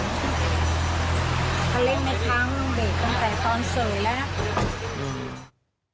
ตั้งแต่ตอนเศษแล้วนะ